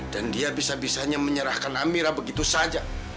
dia bisa bisanya menyerahkan amira begitu saja